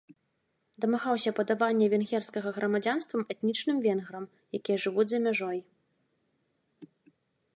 Дамагаўся падавання венгерскага грамадзянствам этнічным венграм, якія жывуць за мяжой.